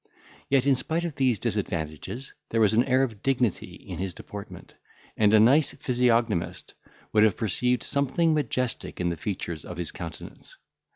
Yet, in spite of these disadvantages, there was an air of dignity in his deportment, and a nice physiognomist would have perceived something majestic in the features of his countenance.